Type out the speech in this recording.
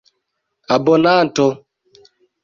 abonanto